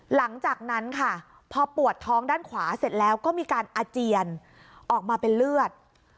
หลังจากนั้นค่ะพอปวดท้องด้านขวาเสร็จแล้วก็มีการอาเจียนออกมาเป็นเลือด